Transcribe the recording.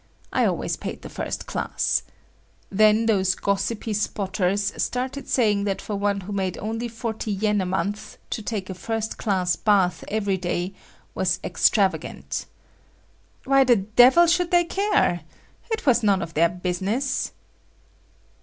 I always paid the first class. Then those gossipy spotters started saying that for one who made only forty yen a month to take a first class bath every day was extravagant. Why the devil should they care? It was none of their business.